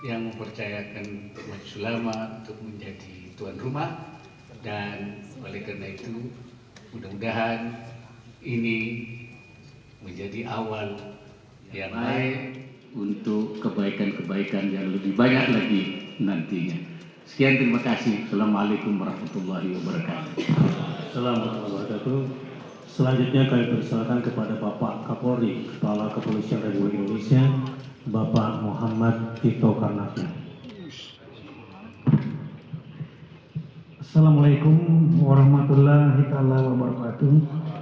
assalamualaikum warahmatullahi wabarakatuh